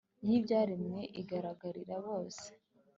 yibyaremwe igaragarira bose